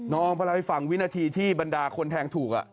น้องอ้อมพระราภิษฐ์ฟังวินาทีที่บรรดาคนแทงถูก